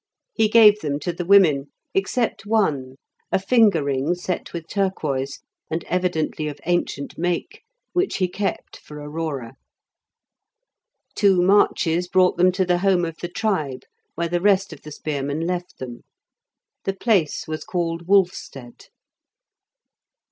He gave them to the women, except one, a finger ring, set with turquoise, and evidently of ancient make, which he kept for Aurora. Two marches brought them to the home of the tribe, where the rest of the spearmen left them. The place was called Wolfstead.